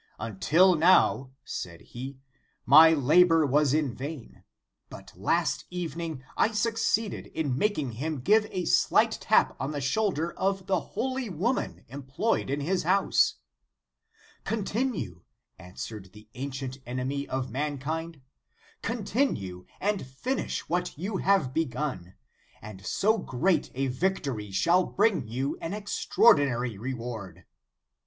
"Until now, said he, my labor was in vain, but last evening I succeeded in making him o ive a slight tap on the shoulder of the holy woman employed in his house. " Continue, answered the ancient enemy * Dial., lib. in. o. 7. In the Nineteenth Century. 135 of mankind, continue and finish what you have begun, and so great a victory shall bring you an extraordinary reward.